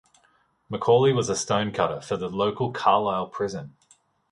McCauley was a stone cutter for the local Carlisle prison.